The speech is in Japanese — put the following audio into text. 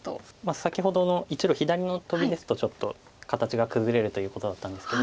先ほどの１路左のトビですとちょっと形が崩れるということだったんですけど。